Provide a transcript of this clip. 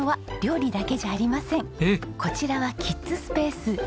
こちらはキッズスペース。